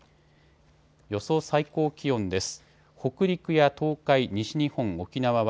予想最高気温です。